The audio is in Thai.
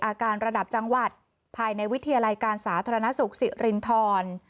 อากาศระดับจังหวัดภายในวิทยาลัยการสาธารณสุขสิรินทร